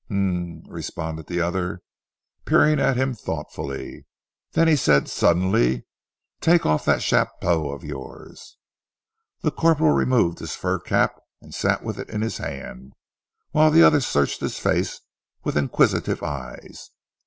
"H'm!" responded the other, peering at him thoughtfully, then he said suddenly, "Take off that chapeau of yours!" The corporal removed his fur cap, and sat with it in his hand, whilst the other searched his face with inquisitive eyes.